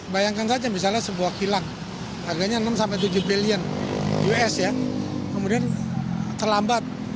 bayangkan saja misalnya sebuah kilang harganya enam tujuh billion us ya kemudian terlambat